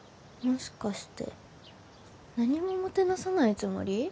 もしかして何ももてなさないつもり？